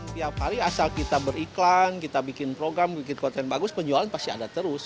tiap hari asal kita beriklan kita bikin program bikin konten bagus penjualan pasti ada terus